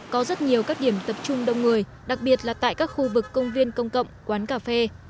có rất nhiều các điểm tập trung đông người đặc biệt là tại các khu vực công viên công cộng quán cà phê